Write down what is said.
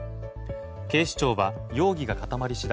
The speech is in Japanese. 警視庁は容疑が固まり次第